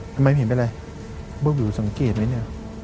ทำไมไม่เห็นเป็นอะไรบุ๊บวิวสังเกตไหมเนี่ย